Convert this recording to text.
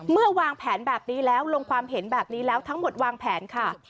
วางแผนแบบนี้แล้วลงความเห็นแบบนี้แล้วทั้งหมดวางแผนค่ะ